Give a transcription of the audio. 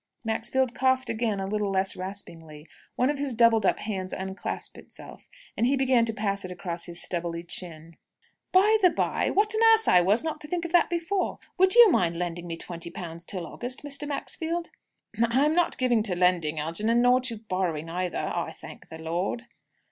Maxfield coughed again, a little less raspingly. One of his doubled up hands unclasped itself, and he began to pass it across his stubbly chin. "By the by what an ass I was not to think of that before would you mind lending me twenty pounds till August, Mr. Maxfield?" "I I'm not given to lending, Algernon; nor to borrowing either, I thank the Lord."